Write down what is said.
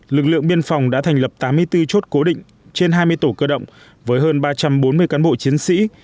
lực lượng biên phòng đã thành lập tám mươi bốn chốt cố định trên hai mươi tổ cơ động với hơn ba trăm bốn mươi cán bộ chiến sĩ